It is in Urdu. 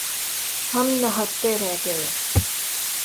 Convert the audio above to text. ہم نہتے رہ گئے۔